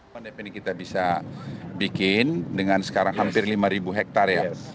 pemimpin kita bisa bikin dengan sekarang hampir lima hektare